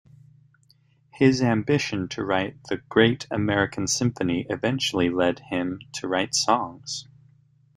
His ambition to write the "great american symphony" eventually led him to write songs.